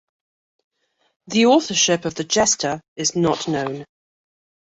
The authorship of the "Gesta "is not known.